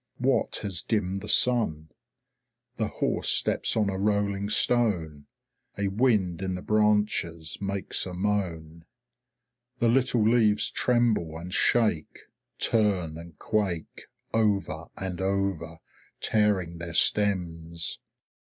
What has dimmed the sun? The horse steps on a rolling stone; a wind in the branches makes a moan. The little leaves tremble and shake, turn and quake, over and over, tearing their stems.